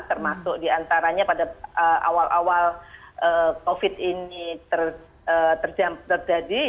termasuk di antaranya pada awal awal covid ini terjadi